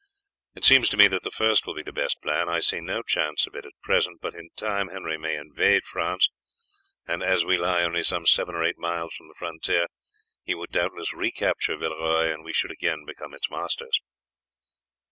It seems to me that the first will be the best plan. I see no chance of it at present, but in time Henry may invade France; and as we lie only some seven or eight miles from the frontier he would doubtless recapture Villeroy, and we should again become its masters."